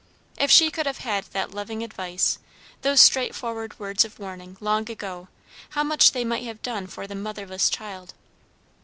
If she could have had that loving advice, those straightforward words of warning, long ago, how much they might have done for the motherless child.